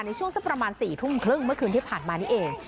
ช่วงสักประมาณ๔ทุ่มครึ่งเมื่อคืนที่ผ่านมานี่เอง